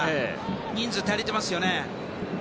人数足りてますよね。